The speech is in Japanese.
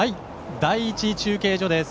第１中継所です。